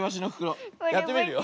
やってみるよ。